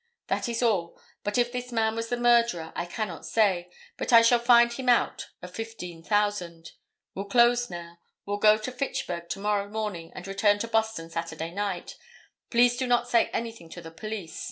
This is all; but if this man was the murderer I cannot say, but I shall find him out of fifteen thousand. Will close now. Will go to Fitchburg to morrow morning and return to Boston Saturday night. Please do not say anything to the police.